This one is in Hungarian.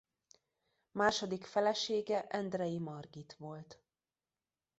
Második felesége Endrei Margit volt.